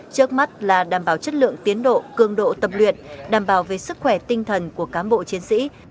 trước mắt là đảm bảo chất lượng tiến độ cương độ tập luyện đảm bảo về sức khỏe tinh thần của cán bộ chiến sĩ